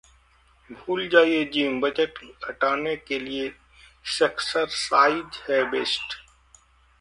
भूल जाइए जिम, वजन घटाने के लिए सेक्सरसाइज है बेस्ट